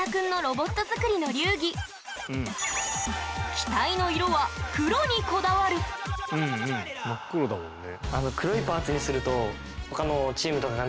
機体の色は黒にこだわるうんうん真っ黒だもんね。